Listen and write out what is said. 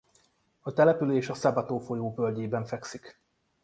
A település a Sabato folyó völgyében fekszik.